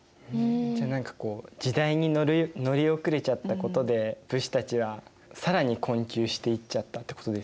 じゃあ何かこう時代に乗り遅れちゃったことで武士たちは更に困窮していっちゃったってことですよね。